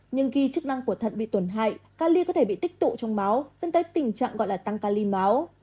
nhưng khi chức năng của thận bị tổn hại cali có thể bị tích tụ trong máu dẫn tới tình trạng gọi là tăng cali máu